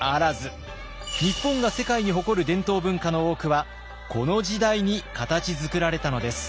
日本が世界に誇る伝統文化の多くはこの時代に形づくられたのです。